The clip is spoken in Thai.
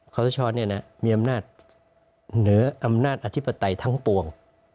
ขอสาวชอคเนี่ยนะมีอำนาจเหนืออำนาจอธิปไตยทั้งปวง